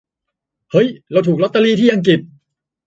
เฮ้ย เราถูกล็อตเตอรี่ที่อังกฤษ !